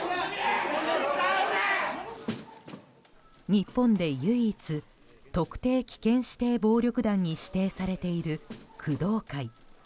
日本で唯一特定危険指定暴力団に指定されている工藤会。